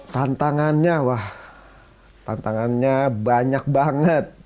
tantangannya wah tantangannya banyak banget